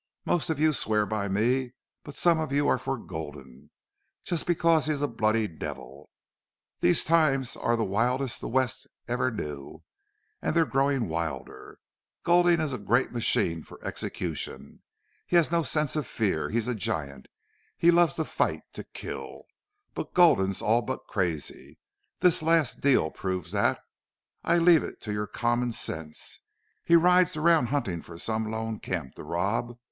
Most of you swear by me, but some of you are for Gulden. Just because he's a bloody devil. These times are the wildest the West ever knew, and they're growing wilder. Gulden is a great machine for execution. He has no sense of fear. He's a giant. He loves to fight to kill. But Gulden's all but crazy. This last deal proves that. I leave it to your common sense. He rides around hunting for some lone camp to rob.